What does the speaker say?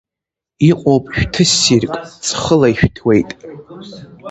Иҟоуп шәҭы ссирк, ҵхыла ишәҭуеит.